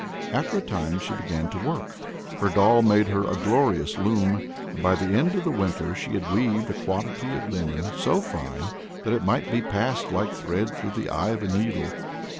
After a time she began to work. Her doll made her a glorious loom, and by the end of the winter she had weaved a quantity of linen so fine that it might be passed like thread through the eye of a needle.